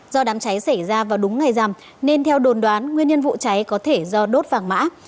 do đám cháy xảy ra vào đúng ngày rằm nên theo đồn đoán nguyên nhân vụ cháy có thể do đốt vàng mã